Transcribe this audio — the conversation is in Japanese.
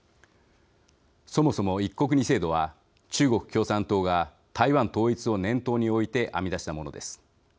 そもそも、一国二制度は中国共産党が台湾統一を念頭に置いて編み出したものです。